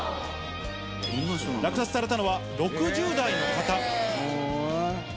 落札されたのは、６０代の方。